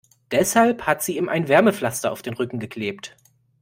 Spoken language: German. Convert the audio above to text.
Deshalb hat sie ihm ein Wärmepflaster auf den Rücken geklebt.